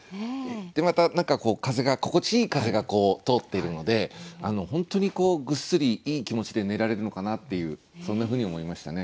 また何か風が心地いい風が通っているので本当にぐっすりいい気持ちで寝られるのかなっていうそんなふうに思いましたね。